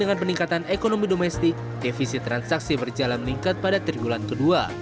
dengan peningkatan ekonomi domestik defisi transaksi berjalan meningkat pada triwulan ke dua